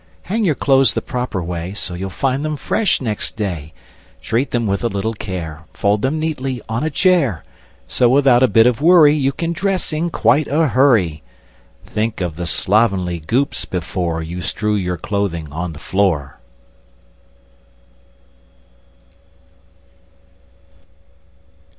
Hang your clothes the proper way, So you'll find them fresh next day; Treat them with a little care, Fold them neatly on a chair; So, without a bit of worry, You can dress in quite a hurry. Think of the slovenly Goops, before You strew your clothing on the floor!